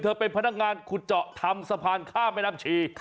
เธอเป็นพนักงานขุดเจาะธรรมสะพานข้าบน้ำชี่